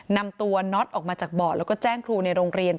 นำตัวน็อตออกมาจากบ่อแล้วก็แจ้งครูในโรงเรียน